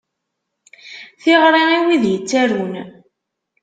Tiɣri i wid yettarun.